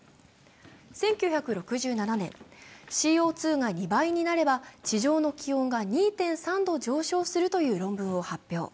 １９６７年、ＣＯ２が２倍になれば地上の気温が２．３度上昇するという論文を発表。